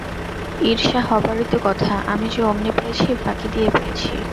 ঈর্ষা হবারই তো কথা– আমি যে অমনি পেয়েছি, ফাঁকি দিয়ে পেয়েছি।